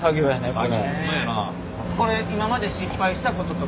これ今まで失敗したこととかあります？